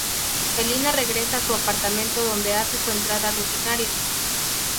Selina regresa a su apartamento donde hace su entrada rutinaria.